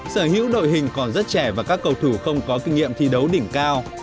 sở hữu đội hình còn rất trẻ và các cầu thủ không có kinh nghiệm thi đấu đỉnh cao